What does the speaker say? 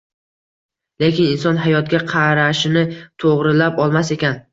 Lekin inson hayotga qarashini to‘g‘rilab olmas ekan